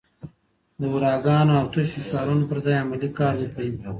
د هوراګانو او تشو شعارونو پر ځای عملي کار وکړئ.